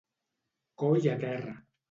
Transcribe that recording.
Coll a terra.